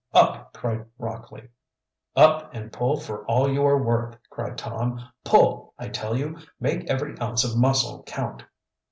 "Up!" cried Rockley. "Up and pull for all you are worth!" cried Tom. "Pull, I tell you! Make every ounce of muscle count!"